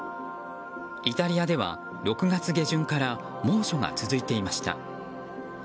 イタリアでは６月下旬から猛暑が続いていました。